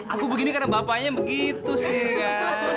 aku begini karena bapaknya begitu sih ya